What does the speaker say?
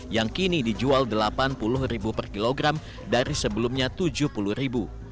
yang kini dijual rp delapan puluh per kilogram dari sebelumnya rp tujuh puluh